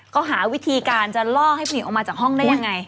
เขาหาวิธีการจะล่อให้ผู้หญิงออกมาจากห้องได้ยังไง